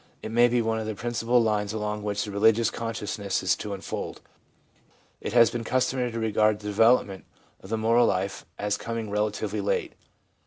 It may be one of the principal lines along which the religious consciousness is to unfold. It has been customary to regard the development of the moral life as coming relatively late.